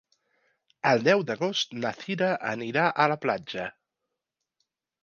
El deu d'agost na Cira anirà a la platja.